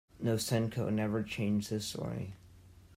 Nosenko never changed his story.